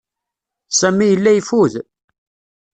Sami yella yeffud.